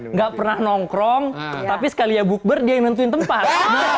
nggak pernah nongkrong tapi sekali ya bu berdiamin tempat